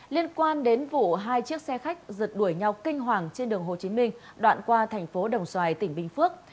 liên quan đến vụ hai chiếc xe khách rượt đuổi nhau kinh hoàng trên đường hồ chí minh đoạn qua thành phố đồng xoài tỉnh bình phước